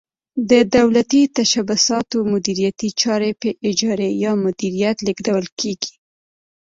د دولتي تشبثاتو مدیریتي چارې په اجارې یا مدیریت لیږدول کیږي.